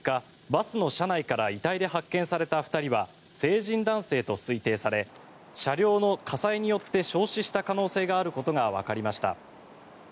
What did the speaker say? バスの車内から遺体で発見された２人は成人男性と推定され車両の火災によって焼死した可能性があることがわかりました。